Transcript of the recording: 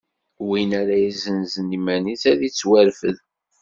Win ara yessanzen iman-is ad ittwarfed.